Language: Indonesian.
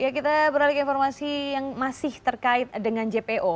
kita beralih ke informasi yang masih terkait dengan jpo